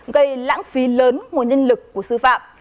gây lãng phí lớn nguồn nhân lực của sư phạm